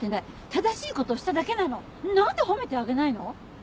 正しいことをしただけなの何で褒めてあげないの？